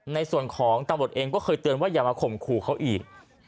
ในส่วนของตำรวจเองก็เคยเตือนว่าอย่ามาข่มขู่เขาอีก